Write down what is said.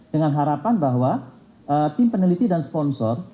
dengan harapan bahwa tim peneliti dan sponsor